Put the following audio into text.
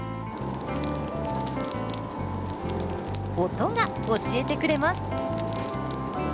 音が教えてくれます。